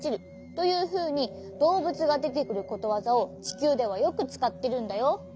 というふうにどうぶつがでてくることわざをちきゅうではよくつかってるんだよ。